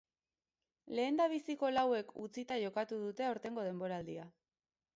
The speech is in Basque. Lehendabiziko lauek utzita jokatu dute aurtengo denboraldian.